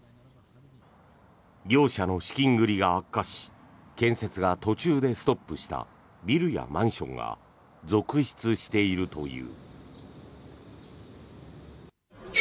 業者の資金繰りが悪化し建設が途中でストップしたビルやマンションが続出しているという。